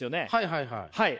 はいはいはい。